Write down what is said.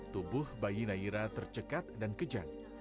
tubuh bayi naira tercekat dan kejang